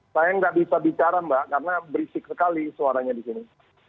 saya nggak bisa bicara mbak karena berisik sekali suaranya di sini